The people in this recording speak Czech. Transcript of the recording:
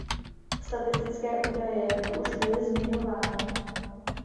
Statistické údaje tu už byly zmiňovány.